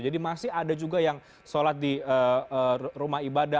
jadi masih ada juga yang sholat di rumah ibadah